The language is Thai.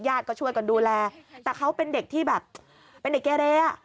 ก็ช่วยกันดูแลแต่เขาเป็นเด็กที่แบบเป็นเด็กเกเรอ่ะ